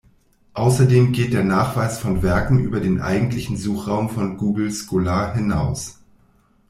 Außerdem geht der Nachweis von Werken über den eigentlichen Suchraum von Google Scholar hinaus.